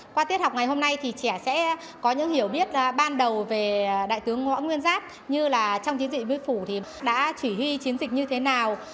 qua tiết học ngày hôm nay thì trẻ sẽ có những hiểu biết ban đầu về đại tướng võ nguyên giáp như là trong chiến dịch biên phủ thì đã chỉ huy chiến dịch như thế nào